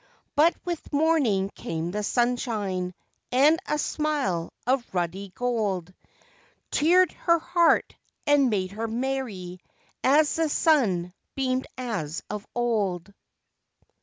But with morning came the sunshine, and a smile of ruddy gold Cheered her heart, and made her merry as the sun beamed as of old.